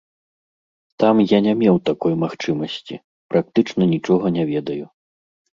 Там я не меў такой магчымасці, практычна нічога не ведаю.